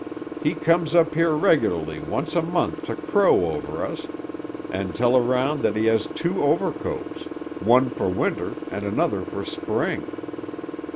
"He comes up here regularly once a month to crow over us, and tell around that he has two overcoats; one for winter, and another for spring.